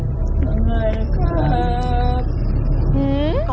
สวัสดีครับ